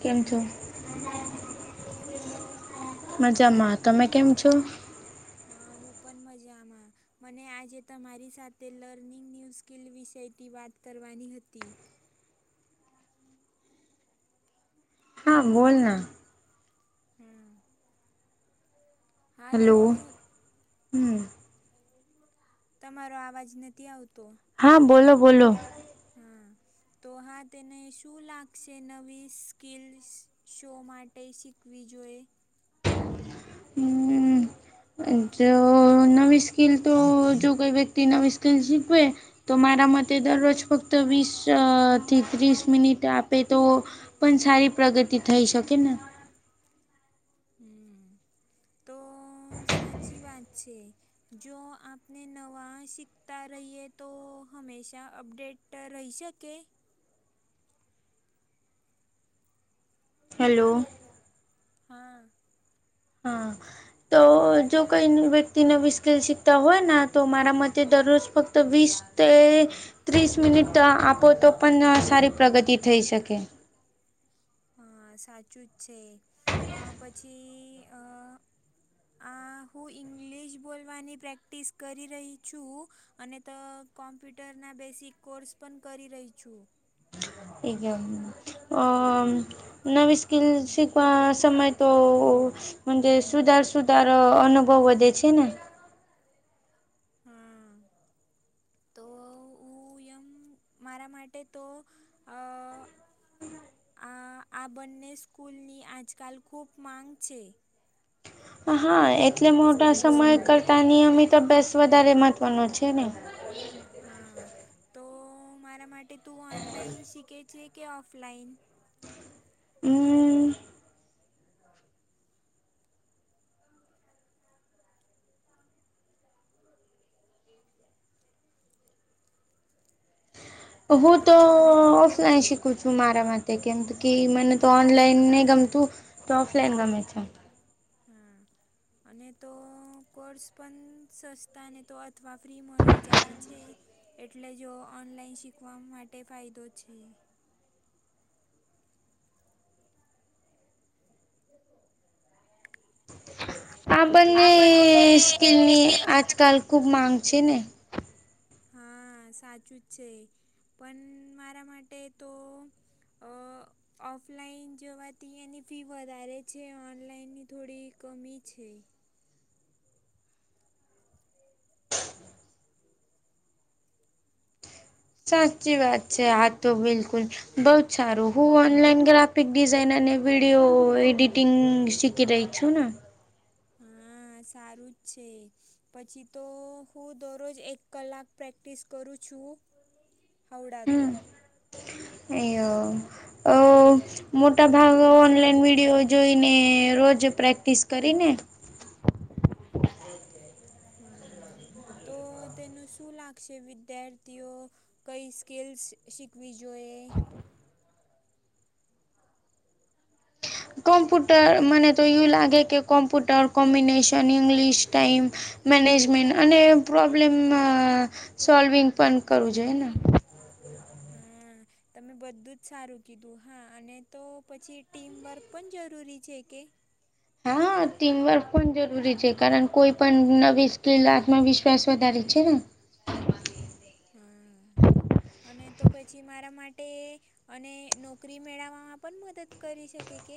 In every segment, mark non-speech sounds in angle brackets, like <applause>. કેમ છો? કેમ છો? મજામાં તમે કેમ છો? હા હું પણ મજા આમાં. મને આજે તમારી સાથે લર્નિંગન્યૂ સ્કિલ વિષયથી વાત કરવાની હતી. હા બોલના. હમ, હેલો હ, તમારો આવાજ નથી આવતો. હા બોલો બોલો. હા, તો હા તેને શું લાગશે નવી સ્કીલ શો માટ ટે શિકવી જોએ. હમ <inaudible> જો નવી સ્કીલ તો જો કોઈ વ્યક્તિ નવી સ્કીલ શીખવે તો મારા મતે દરરોજ ફક્ત વીસ થી ત્રીસ મિનિટ આપે તો પણ સારી પ્રગતિ થઈ શકે ને હમ્મ તો સાચી વાત છે. જો આપને નવા શીખતા રહીએ તો હમેશા અપડેટ રહી શકે હેલો હા હા તો આવાજ જો આવી રહી? કોઈ વ્ય ક્તિ નવી સ્કીલ શીખતા હોય ને તો મારા મતે દરરોજ ફક્ત વીસ તે ત્રીસ મિનિટ આપો તો પણ સારી પ્રગતિ થઈ શકે. હ સાચું જ છે અ પછી આ હું ઇંગ્લિશ બોલવાની પ્રેક્ટિસ કરી રહી છું અને તો કોમ્પ્યુટરના બેસિક કોર્સ પણ કરી રહી છું. <unintelligible> નવી સ્કિલ શીખવા સમય તો મજે સુધાર સુધાર અનુભવ વધે છે ને હમ્મ તો હું એમ મારા માટે તો અ આ આ બંને સ્કૂલની આજકાલ ખૂબ માંગ છે. હા એટલે મોટા સમય સ્કિલ્સની. કરતા નિયમિત અભ્યાસ વધારે મહત્વનો છે ને. હા તો મારા માટે તું ઓનલાઈન શીખે છે કે ઓફલાઈન હમ્મ હું તો હા અને તો કો ઓફલાઈન શીખું છું મારા માટે કેમ કે મને તો હા ઓનલાઈન નઈ ગમતું તો ઓફલાઈન ગમે છે. હમ્મ અને તો કોર્સ પન સસ્તા ને તો અથવા ફ્રી મળી જાય છે. એટલે જો ઓનલાઈન શીખવા માટે ફાયદો છે. આ બંને સ્કીલની આજકાલ ખુબ માંગ છે ને. હા સાચું જ છે પણ મારા માટે તો અ ઓફલાઈન જોવાથી એની ફી વધારે છે. ઓનલાઈનની થોડી કમી છે. સાચી વાત છે, આ તો બિલકુલ. બઉ જ સારું. હું ઓનલાઈન ગ્રાફિક ડિઝાઇન અને વિડીયો એડિટિંગ સીખી રહી છું ન હા. સારું જ છે. પછી તો હું દરરોજ એક કલાક પ્રેક્ટિસ કરું છું. ખવડાતો એયો અ મોટા ભાગ ઓનલાઈન વિડીયો જોઈને, રોજ પ્રેક્ટિસ કરીને હા. તો તેનું શું લાગશે વિદ્યાર્થીઓ કઈ સ્કિલ્સ શીખવી જોઈએ? કોમ્પુટર મને તો યુ લાગે કે computer combination English time management અને પ્રોબ્લેમ સોલ્વિંગ પણ કરવું જોઈએ ને હા તમે બધું જ સારું કીધું. હા અને તો પછી ટીમવર્ક પણ જરૂરી છે કે? હા ટીમવર્ક પણ જરૂરી છે. કારણ કોઈ પણ નવી સ્કીિલ આત્મવિશ્વાસ વધારે છે ને હા અને તો પછી મારા માટે અને નોકરી મેળવવામાં પણ મદદ કરી શકે કે?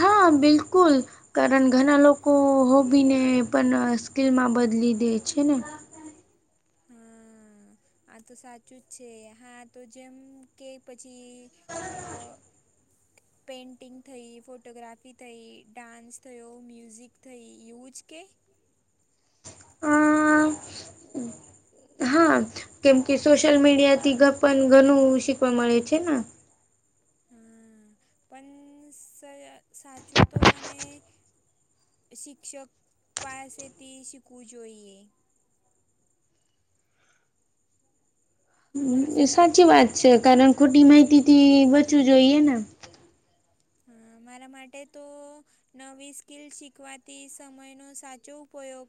હા, બિલકુલ! કારણ ઘણા લોકો હોબીને પણ સ્કીિલમાં બદલી દે છે ને. હા. આ તો સાચું જ છે. હા તો, જેમ કે પછી અ. પેઇન્ટિંગ થઈ, ફોટોગ્રાફી થઈ, ડાન્સ થયો, મ્યુઝિક થઈ, એવું જ કે? હા કેમ કે સોશિયલ મીડિયાથી ઘપન ઘનુ શીખવા મળે છે ને. હુ પન સાચું તો અને શિક્ષક પાસે તી શીખવું જોઈએ. ઈ ભરોસાપાત્ર સાચી વાત છે. કારણ ખોટી માહિતી થી બચવું જોઈએ ને. હા મારા માટે તો, નવી સ્કિલ શીખવાતી સમયનો સાચો ઉપયોગ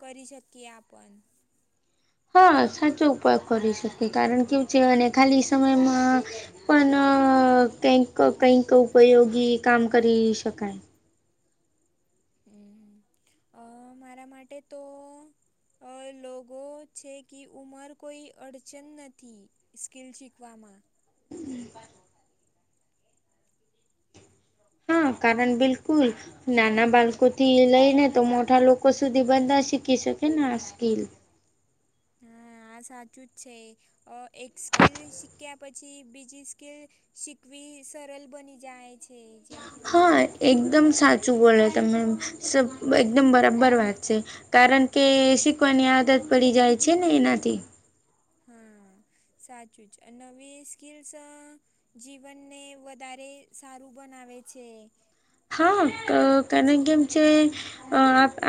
કરી શકીએ આ પન હા સાચો ઉપયોગ કરી શકીએ. કારણ કે કેવું છે અને ખાલી સમયમાં પણ કંઈક કંઈક ઉપયોગી કામ કરી શકાય. હુ અ મારા માટે તો અ લોગો છે કે, ઉંમર કોઈ અડચણ નથી. સ્કીલ શીખવામાં. હ કારણ બિલકુલ! નાના બાળકો થી લઈ ને તો મોઢા લોકો સુધી બધા શીખી શકે ને આ સ્કીિલ. હા. આ સાચું જ છે. એક સ્કિલ શીખ્યા પછી બીજી સ્કિલ શીખવી સરલ બની જાય છે. જેમ કે હા પછી એકદમ સાચું બોલો તમે એમ એકદમ હા બરાબર વાત છે. કારણ કે શીખવાની આદત પડી જાય છે ને ઈનાથી. હા સાચું જ. નવી સ્કિલ્સ જીવનને વધારે સારું બનાવે છે. હા કારણ પછી કેમ છે, અ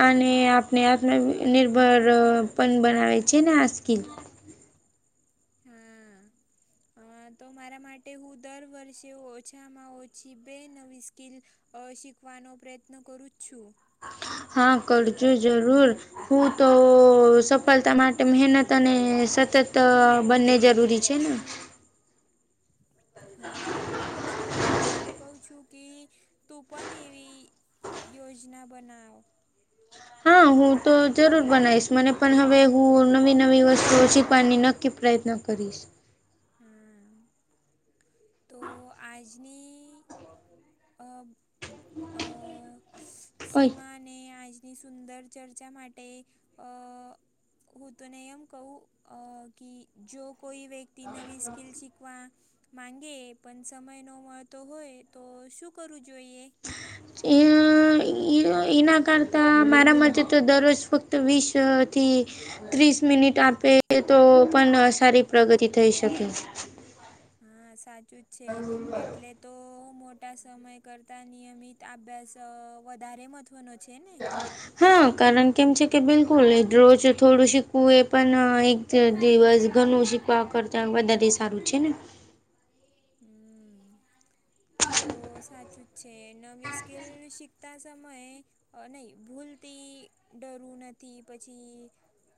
આને આપને આપને નિર્ભર પણ બનાવે છે ને, આ સ્કીલ. હા. હા તો મારા માટે, હું દર વર્ષે ઓછામાં ઓછી બે નવી સ્કીિલ અ શીખવાનો પ્રયત્ન કરું છું હા કરજો જરૂર હું તો સફલતા માટે મહેનત અને સતત બંને જરૂરી છે ને હા પછી હું એમ કઉ છું કે તું પણ એવી યોજના બનાવ હા હું તો જરૂર બનાવીશ મને પણ હવે હું નવી નવી વસ્તુઓ શીખવાની નક્કી પ્રયત્ન. કરીશ હા તો આજની અ અ ઓય સીમા અને આજની સુંદર ચર્ચા માટે અ હું તને એમ કવું અ કે જો કોઈ વ્યક્તિ નવી સ્કિલ શીખવા માંગે. પણ સમય ન મળતો હોય તો શું કરવું જોઈએ? <unintelligible> ઈના કરતા મારા મતે તો દરરોજ ફક્ત વીસથી ત્રીસ મિનિટ આપે તો પણ સારી પ્રગતિ થઈ શકે હા સાચું જ છે એટલે તો મોટા સમય કરતા નિયમિત અભ્યાસ વધારે મત ત્વનો છે ને હ કારણ કેમ છે કે બિલકુલ રોજ થોડું શીખવું એ પણ એક દિવસ ઘણુ છે વા કરતા બધા સારું છે ને હમ તો સાચું છે નવી સ્કિલ શિકતા સમયે નહી ભૂલતી ડરવું નથી પછી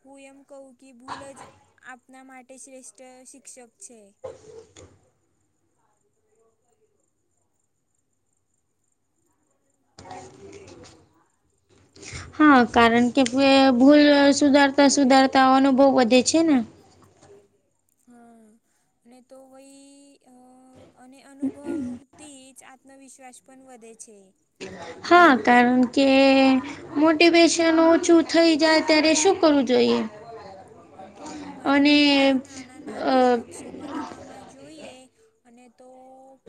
હું એમ કહું કે ભૂલ જ આપના માટે શ્રેષ્ઠ શિક્ષક છે હા કારણ કે ભૂલ સુધારતા સુધારતા અનુભવ વધે છે ને હા અને તો વય અ અને અનુભવતી જ આત્મવિશ્વાસ પણ વધે છે હા કારણ કે મોટિવેશન ઓછું થઈ જાય ત્યારે શું કરવું જોઈએ આ તો મારા અને માટે નાના નાના અ લક્ષ્ય બનાવામાં જોઈએ અને તો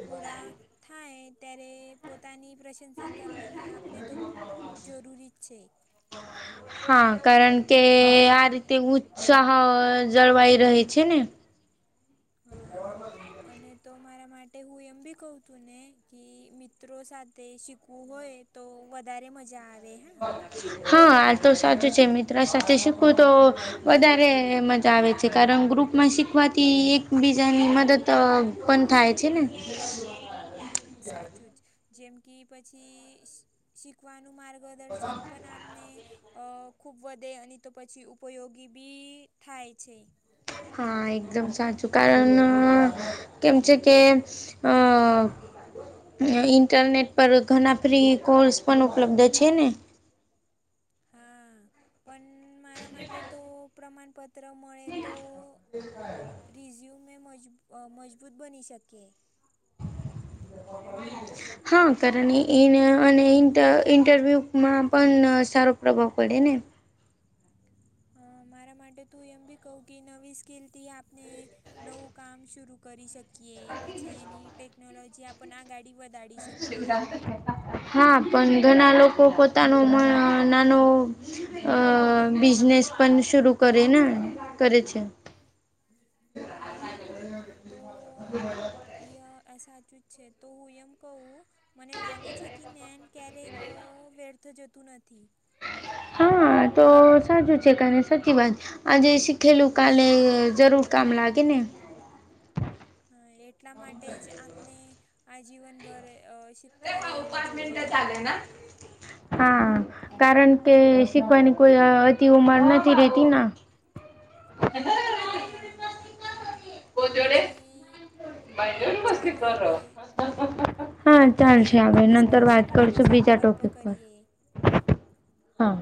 પૂરા થાય ત્યારે પોતાની પ્રશંસા કરવાની આપણે તો જરૂરી જ છે હા કારણ કે આ રીતે ઉત્સાહ જળવાઈ રહે છે ને હા અને તો મારા માટે હું એમ બી કઉ તું ને કે મિત્રો સાથે શીખવું હોય તો વધારે મજા આવે હા હા આ તો સાચું છે મિત્ર સાથે શીખવું તો વધારે મજા આવે છે કારણ ગ્રુપમાં શીખવાથી એકબીજાની મદદ. તો પણ થાય છે ને સાચું જ જેમ કે પછી શીખવાનું માર્ગદર્શન પણ આપને અ ખૂબ વધે અને તો પછી ઉપયોગી બી થાય છે હા એકદમ સાચું કારણ કેમ છે કે અ ઇન્ટરનેટ પર ઘણા ફ્રી કોર્સ પણ ઉપલબ્ધ છે ને હા પણ મારા માટે તો પ્રમાણપત ત્ર મળે તો રિઝ્યુમ એ મજબ મજબૂત બની શકે <inaudible> હા કારણ એને અને ઈન્ટર ઇન્ટરવ્યૂમાં પન સારો પ્રભાવ પડે ને અ મારા માટે તું એમ બી કહું કે નવી સ્કીલથી આપને નવું કામ શુરૂ કરી શક કિએ પછી એની ટેકનોલોજી આપને આ ગાડી વધા <unintelligible> હા પન ઘના લોકો પોતાનો નાનો અ બિઝનેસ પન શરૂ કરે ને કરે છે. હા ઈય સાચું જ છે તો હું એમ કવ મને લાગે છે કે નૈન ક્યારેક વ્યર્થ જતું નથી. હા તો સાચું છે કાને સાચી વાત આજે શીખેલું કાલે જરૂર કામ લાગેને હા એટલા માટે જ આપને આજીવનભર અ શીખતા રહેવું જોઈએ. હા કારણ કે શીખવાની કોઈ અતિ ઉમર નથી રેતી ના હા પછી ચાલ હવે <inaudible> હા દર મહિને ચાલશે એક આવે નવી નંતર સ્કીલ વાત શીખવાનો કરશું બીજા સંકલ્પ ટોપિક પર કરીએ હા